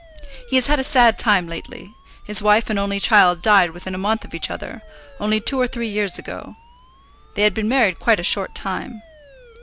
He has had a sad time lately; his wife and only child died within a month of each other, only two or three years ago. They had been married quite a short time.